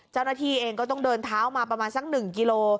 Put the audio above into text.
เจ้าหน้าที่เองก็ต้องเดินเท้ามาประมาณสัก๑กิโล